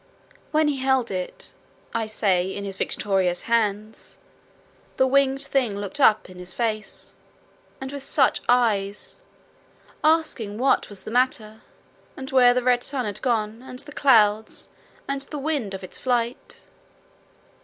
when he held it, I say, in his victorious hands, the winged thing looked up in his face and with such eyes! asking what was the matter, and where the red sun had gone, and the clouds, and the wind of its flight.